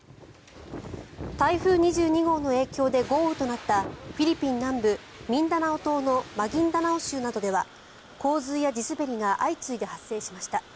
台風２２号の影響で豪雨となったフィリピン南部ミンダナオ島のマギンダナオ州などでは洪水や地滑りが相次いで発生しました。